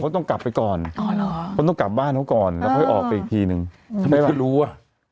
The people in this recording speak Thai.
เขาต้องกลับไปก่อนเขาต้องกลับบ้านเขาก่อนแล้วค่อยออกไปอีกทีนึงทำไมเรารู้อ่ะ